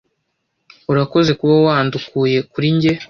Urakoze kuba wandukuye kuri njye.